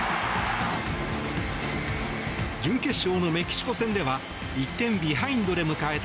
準決勝のメキシコ戦では１点ビハインドで迎えた